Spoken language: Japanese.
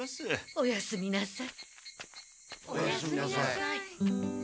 おやすみなさい。